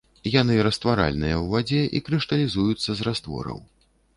Яны растваральныя ў вадзе і крышталізуюцца з раствораў.